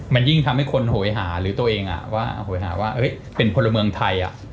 มันยิ่งทำให้คนโหยหาหรือตัวเองว่าโหยหาว่าเป็นพลเมืองไทย